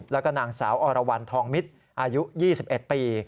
แล้วก็นางสาวอรวรรณทองมิตรอายุ๒๑ปี